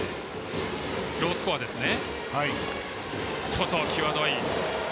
ロースコアですね。